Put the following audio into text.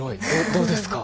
どうですか？